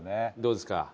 どうですか？